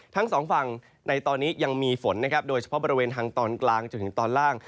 ทั้งสองฝั่งในตอนนี้ยังมีฝนนะครับโดยเฉพาะบริเวณทางตอนกลางจนถึงตอนล่าง